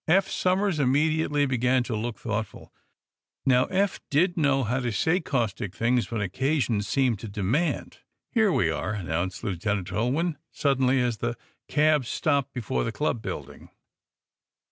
Eph Somers immediately began to look thoughtful. Now, Eph did know how to say caustic things when occasion seemed to demand. "Here we are," announced Lieutenant Ulwin, suddenly, as the cab stopped before the club building.